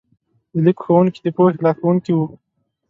د لیک ښوونکي د پوهې لارښوونکي وو.